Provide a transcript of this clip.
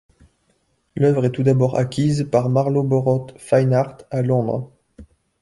L'œuvre est tout d'abord acquise par Marloborough Fine Art à Londres.